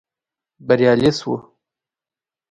بريالي شوو.